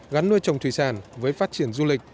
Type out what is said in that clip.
gắn nuôi trồng thủy sản với phát triển du lịch